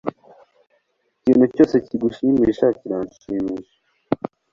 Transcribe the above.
Ikintu cyose kigushimisha kiranshimisha